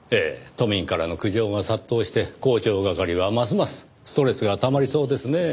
都民からの苦情が殺到して広聴係はますますストレスがたまりそうですねぇ。